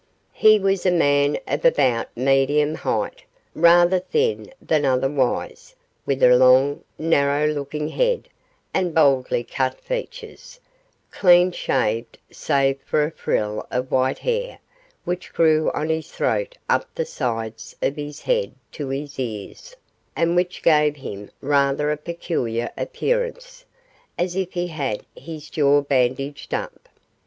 He was a man of about medium height, rather thin than otherwise, with a long, narrow looking head and boldly cut features clean shaved save for a frill of white hair which grew on his throat up the sides of his head to his ears, and which gave him rather a peculiar appearance, as if he had his jaw bandaged up.